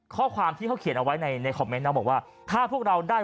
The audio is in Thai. ข้อความที่เขาเขียนเอาไว้ในในคอมเมนต์นะบอกว่าถ้าพวกเราได้